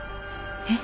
えっ？